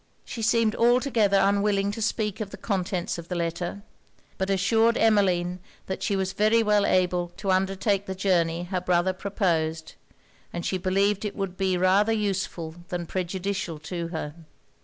She seemed altogether unwilling to speak of the contents of the letter; but assured Emmeline that she was very well able to undertake the journey her brother proposed, and she believed it would be rather useful than prejudicial to her.